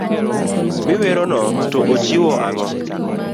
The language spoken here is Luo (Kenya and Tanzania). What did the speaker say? Mi werono to ochiwo ang'o.